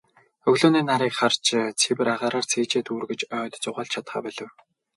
Өглөөний нарыг харж, цэвэр агаараар цээжээ дүүргэж, ойд зугаалж чадахаа болив.